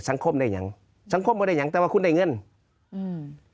สังคมได้ยังสังคมไม่ได้ยังแต่ว่าคุณได้เงินอืม